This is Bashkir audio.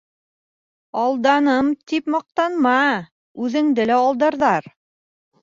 Алданым, тип маҡтанма, үҙеңде лә алдарҙар.